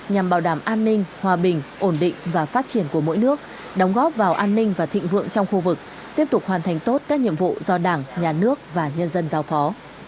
nhằm bảo đảm an ninh hòa bình ổn định và phát triển của mỗi nước đóng góp vào an ninh và thịnh vượng trong khu vực tiếp tục hoàn thành tốt các nhiệm vụ do đảng nhà nước và nhân dân giao phó